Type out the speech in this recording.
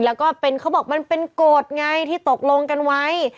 แล้วก็เป็นเขาบอกมันเป็นโกรธไงที่ตกลงกันไว้